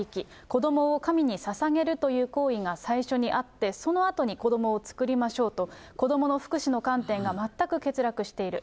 子どもを神にささげるという行為が最初にあって、そのあとに子どもを作りましょうと、子どもの福祉の観点が全く欠落している。